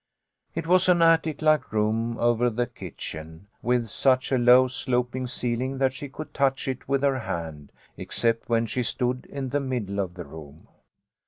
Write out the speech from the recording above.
It was an attic like room over the kitchen, with such a low sloping ceiling that she could touch it with her hand, except when she stood in the middle of the room.